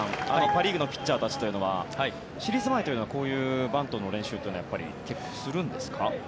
パ・リーグのピッチャーたちというのはシリーズ前というのはバントの練習というのは結構するんですか？